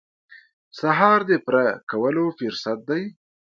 سهار د پوره کولو فرصت دی.